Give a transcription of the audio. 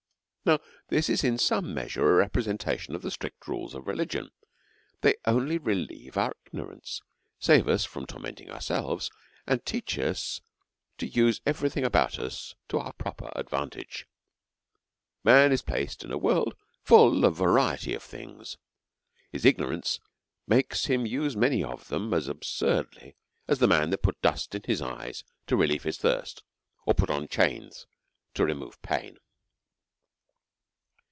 Now, this is in some measure a representation of the strict rules of religion ; they only relieve our igno rance, save us from tormenting ourselves, and teach us to use every thing about us to our proper advantage. Man is placed in a world full of variety of things ; his ignorance makes him use many of them as absurd ly as the man that put dust in his eyes to relieve his thirst, or put on chains to remove pain.